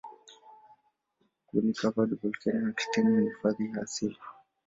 Kuni-covered volkeno ardhini ni hifadhi ya asili.